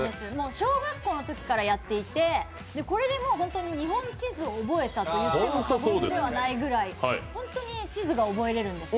小学校のときからやっていて、これで本当に日本地図を覚えたと言っても過言ではないくらい、本当に地図が覚えられるんですよ。